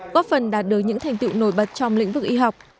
góp phần đạt được những thành tựu nổi bật trong lĩnh vực y học